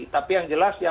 tapi yang jelas